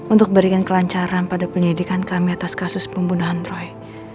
untuk berikan kelancaran pada penyelidikan kami atas kasus pembunuhan roy